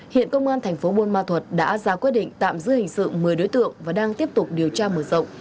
hiện công an tp bôn ma thuật đã ra quyết định tạm giữ hình sự một mươi đối tượng và đang tiếp tục điều tra mở rộng